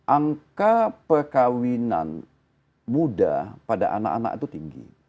angka perkawinan muda pada anak anak itu tinggi